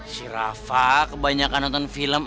si rafa kebanyakan nonton film